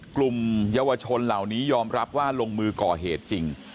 กลุ่มเยาวชนเหล่านี้ยอมรับว่าลงมือก่อเหตุจริง